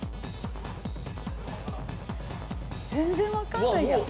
全然わからない。